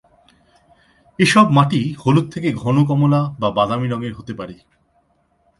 এসব মাটি হলুদ থেকে ঘন কমলা বা বাদামি রঙের হতে পারে।